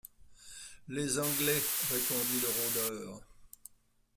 Les anglais, répondit le rôdeur.